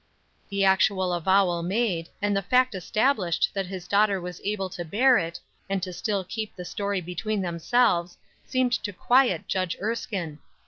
The actual avowal made, and the fact established that his daughter was able to bear it, and to still keep the story between themselves, seemed to quiet Judge Erskine.